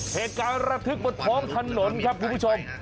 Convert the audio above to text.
เหตุการณ์ระทึกบนท้องถนนครับคุณผู้ชม